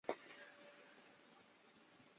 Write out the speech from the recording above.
双带天竺鲷为天竺鲷科天竺鲷属的鱼类。